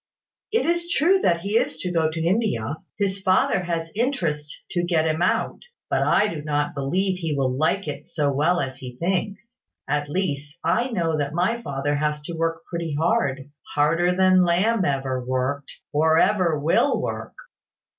"It is true that he is to go to India. His father has interest to get him out. But I do not believe he will like it so well as he thinks. At least, I know that my father has to work pretty hard, harder than Lamb ever worked, or ever will work."